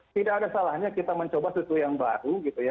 tidak ada salahnya kita mencoba sesuatu yang baru